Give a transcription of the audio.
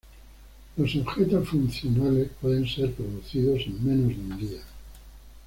Los objetos funcionales pueden ser producidos en menos de un día.